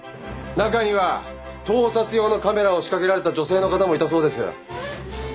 中には盗撮用のカメラを仕掛けられた女性の方もいたそうです。